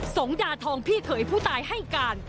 งดาทองพี่เขยผู้ตายให้การ